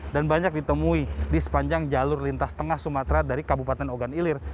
dan banyak ditemui di sepanjang jalur lintas tengah sumatera dari kabupaten ogan ilir